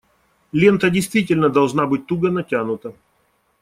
Лента действительно должна быть туго натянута.